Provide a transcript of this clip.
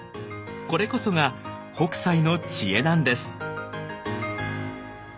これこそが北斎の知恵なんです。